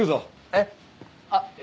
えっ。あっ。